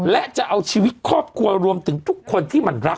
และจะเอาชีวิตครอบครัวรวมถึงทุกคนที่มันรัก